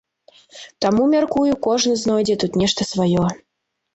Таму, мяркую, кожны знойдзе тут нешта сваё.